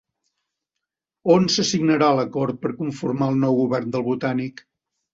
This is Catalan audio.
On se signarà l'acord per conformar un nou govern del Botànic?